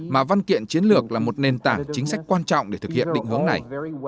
mà văn kiện chiến lược là một nền tảng chính sách quan trọng để thực hiện định hướng này